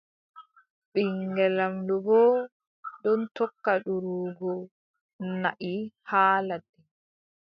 Ɓiŋngel laamɗo boo ɗon tokka durugo naʼi haa ladde.